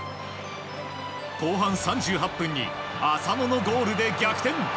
後半３８分に浅野のゴールで逆転。